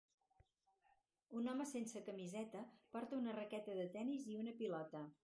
Un home sense camiseta porta una raqueta de tenis i una pilota.